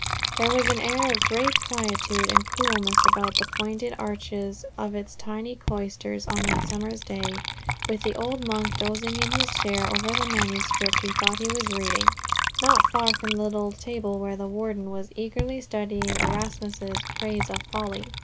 There was an air of great quietude and coolness about the pointed arches of its tiny cloister on that summer's day, with the old monk dozing in his chair over the manuscript he thought he was reading, not far from the little table where the Warden was eagerly studying Erasmus's Praise of Folly.